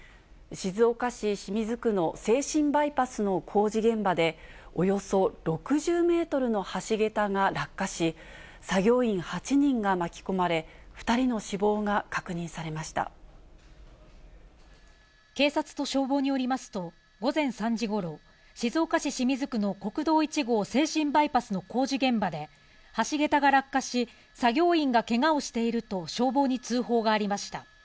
静岡市清水区の静清バイパスの工事現場で、およそ６０メートルの橋桁が落下し、作業員８人が巻き込まれ、２人の死亡が確認されま警察と消防によりますと、午前３時ごろ、静岡市清水区の国道１号静清バイパスの工事現場で橋桁が落下し、作業員がけがをしていると消防に通報がありました。